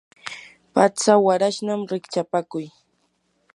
patsa warashnam rikchapakuy.